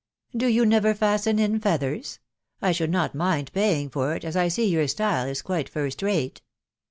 " Do yon never fasten in feathers ?.... I should not mind paying for it, as I see your style is quite first rate."